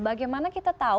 bagaimana kita tahu